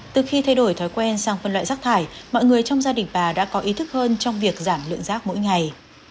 từ khi thay đổi thói quen sang phân loại rác thải mọi người trong gia đình bà đã có ý thức hơn trong việc giảm lượng rác mỗi ngày